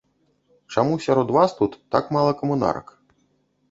Чаму сярод вас тут так мала камунарак?